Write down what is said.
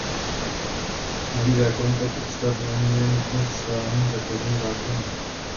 Nový zákon tak odstraňuje nutnost schválení základního zákona.